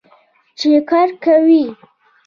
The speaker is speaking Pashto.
چې کار کوي.